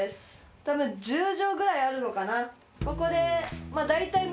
多分１０畳ぐらいあるのかな。